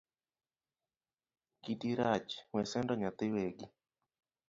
Kiti rach, we sando nyathi wegi